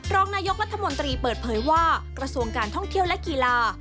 รองนายกรัฐมนตรีเปิดเผยว่ากระทรวงการท่องเที่ยวและกีฬา